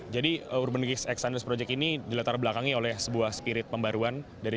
jadi urban geeks x and release project ini dilatar belakangi oleh sebuah spirit pembaruan dari